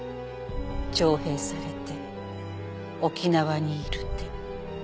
徴兵されて沖縄にいるって。